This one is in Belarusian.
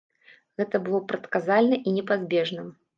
Гэта было прадказальна і непазбежна.